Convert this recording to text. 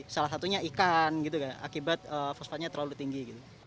salah satunya ikan gitu kan akibat fosfatnya terlalu tinggi gitu